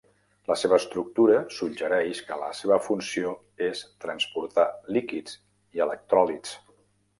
La seva estructura suggereix que la seva funció és transportar líquids i electròlits.